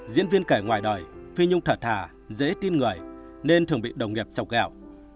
diễn viên kể ngoài đời phi nhung thật thà dễ tin người nên thường bị đồng nghiệp chọc gạo